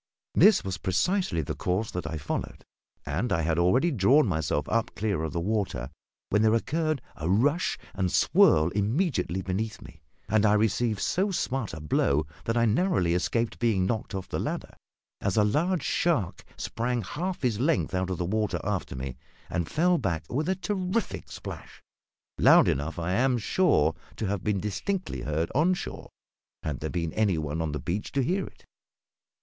This was precisely the course that I followed; and I had already drawn myself up clear of the water when there occurred a rush and swirl immediately beneath me, and I received so smart a blow that I narrowly escaped being knocked off the ladder, as a large shark sprang half his length out of the water after me and fell back with a terrific splash, loud enough, I am sure, to have been distinctly heard on shore, had there been any one on the beach to hear it.